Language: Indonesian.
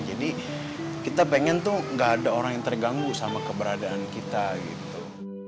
jadi kita pengen tuh gak ada orang yang terganggu sama keberadaan kita gitu